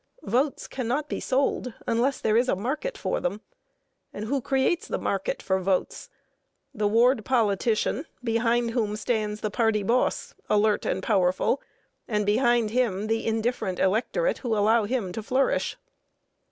Votes cannot be sold unless there is a market for them. Who creates the market for votes? The ward politician, behind whom stands the party boss, alert, and powerful; and behind him the indifferent electorate who allow him to flourish.